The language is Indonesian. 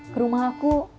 ke rumah aku